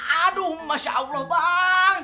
aduh masya allah bang